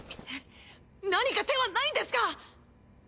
何か手はないんですか！？